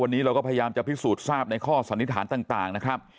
วันนี้เราก็พยายามจะพิสูจน์ทราบในข้อสันนิษฐานต่างนะครับ